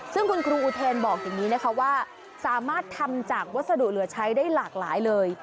ซึ่งคุณครูอุเทนบอกอย่างนี้นะคะว่าสามารถทำจากวัสดุเหลือใช้ได้หลากหลายเลย